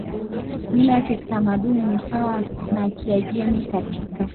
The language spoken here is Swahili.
mila ya kitamaduni ni sawa na Kiajemi Katika